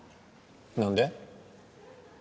何で？